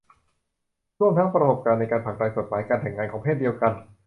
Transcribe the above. ร่วมทั้งประสบการณ์ในการผลักดันกฎหมายการแต่งงานของเพศเดียวกัน